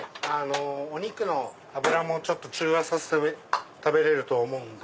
お肉の脂も中和させて食べれると思うので。